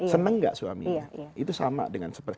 senang tidak suaminya